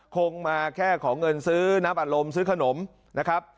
คงมาแค่ขอเงินซื้อน้ำอารมณ์ซื้อขนมนะครับ